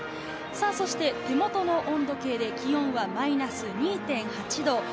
さぁそして手元の温度計で気温はマイナス２．８度。